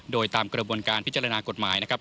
โดยตามกระบวนการพิจารณากฎหมายนะครับ